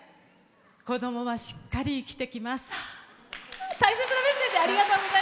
子どもはしっかり生きてきます。